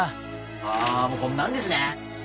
あこんなんですね。